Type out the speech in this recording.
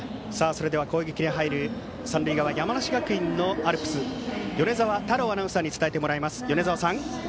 それでは攻撃に入る三塁側、山梨学院のアルプス米澤太郎アナウンサーに伝えてもらいます。